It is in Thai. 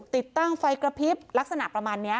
ติดตั้งไฟกระพริบลักษณะประมาณนี้